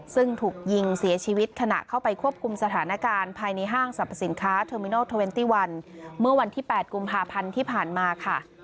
ซึ่งถูกยิงเสียชีวิตขณะเข้าไปควบคุมสถานการณ์ภายในห้างสรรพสินค้าเทอร์มินอลเทอร์เวนตี้วันเมื่อวันที่๘กุมภาพันธ์ที่ผ่านมาค่ะ